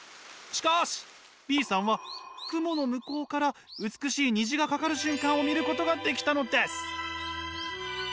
しかしＢさんは雲の向こうから美しい虹がかかる瞬間を見ることができたのです。